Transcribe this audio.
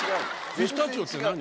ピスタチオって何？